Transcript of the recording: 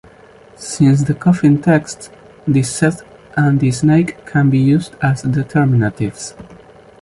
Since the Coffin Texts, the Seth and the snake can be used as determinatives.